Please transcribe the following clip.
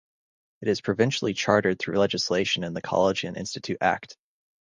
It is provincially chartered through legislation in the College and Institute Act.